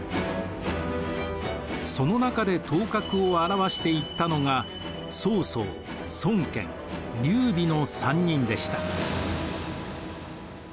その中で頭角を現していったのが曹操孫権劉備の３人でした。